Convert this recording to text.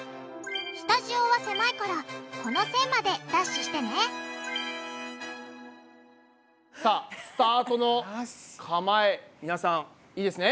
スタジオは狭いからこの線までダッシュしてねさあスタートのかまえ皆さんいいですね？